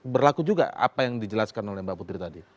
berlaku juga apa yang dijelaskan oleh mbak putri tadi